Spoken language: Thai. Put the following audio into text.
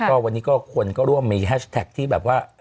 ก็วันนี้ก็คนก็ร่วมมีแฮชแท็กที่แบบว่า